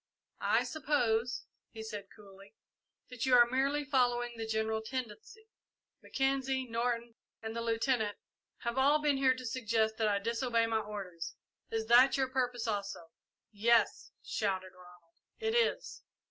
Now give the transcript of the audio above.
"I suppose," he said coolly, "that you are merely following the general tendency. Mackenzie, Norton, and the Lieutenant have all been here to suggest that I disobey my orders. Is that your purpose, also?" "Yes," shouted Ronald, "it is!"